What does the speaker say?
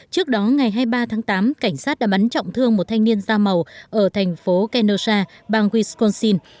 trước đó ngày hai mươi ba tháng tám cảnh sát đã bắn trọng thương một thanh niên da màu ở thành phố kenosha bang wisconsin